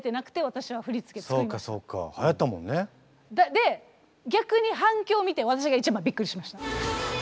で逆に反響を見て私が一番びっくりしました。